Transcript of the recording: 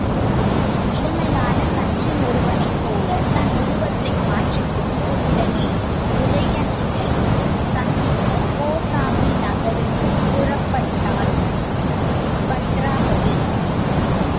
இளமையான தச்சன் ஒருவனைப்போலத் தன் உருவத்தை மாற்றிக்கொண்டு உடனே உதயணனைச் சந்திக்கக் கோசாம்பி நகருக்குப் புறப்பட்டாள் பத்திராபதி.